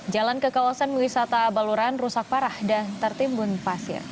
jalan ke kawasan wisata baluran rusak parah dan tertimbun pasir